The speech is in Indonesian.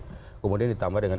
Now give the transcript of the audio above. jadi kemudian ditambahkan